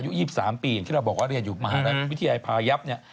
๒๓ปีอย่างที่เราบอกว่าเรียนอยู่มหาวิทยาลัยพายับเนี่ย